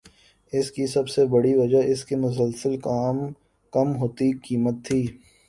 اس کی سب سے بڑی وجہ اس کی مسلسل کم ہوتی قیمت تھی